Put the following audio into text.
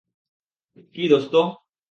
কি, দোস্ত?